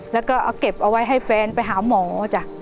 แล้วก็เอาเก็บเอาไว้ให้แฟนไปหาหมอจ้ะ